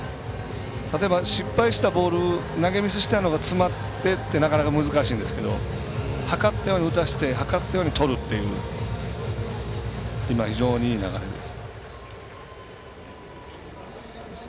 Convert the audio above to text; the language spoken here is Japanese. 例えば失敗したボール投げミスしたのが詰まってなかなか難しいんですけど図ったように打たせて図ったようにとるっていう今、非常にいい流れです。